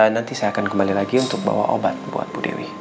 nanti saya akan kembali lagi untuk bawa obat buat bu dewi